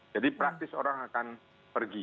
jadi praktis orang akan pergi